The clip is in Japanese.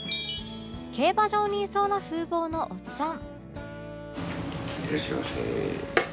競馬場にいそうな風貌のおっちゃん